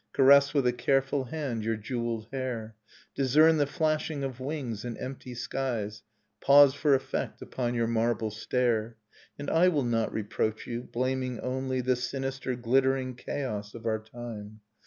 Caress with a careful hand your jewelled hair, Discern the flashing of wings in empty skies. Pause for effect upon your marble stair ... And I will not reproach you, blaming only The sinister glittering chaos of our time.